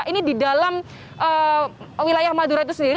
ini di dalam wilayah madura itu sendiri